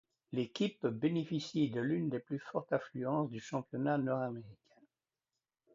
L'équipe bénéficie de l'une des plus fortes affluences du championnat nord-américain.